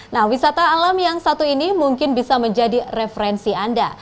nah wisata alam yang satu ini mungkin bisa menjadi referensi anda